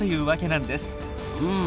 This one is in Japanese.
うん。